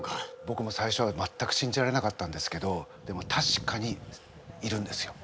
ぼくも最初は全く信じられなかったんですけどでもたしかにいるんですよ。